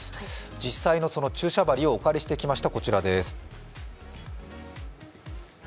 実際の注射針をお借りしてきました。